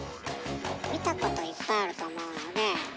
見たこといっぱいあると思うので。